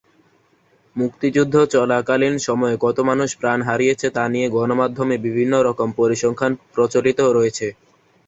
মুক্তিযুদ্ধ চলাকালীন সময়ে কত মানুষ প্রাণ হারিয়েছে তা নিয়ে গণমাধ্যমে বিভিন্ন রকম পরিসংখ্যান প্রচলিত রয়েছে।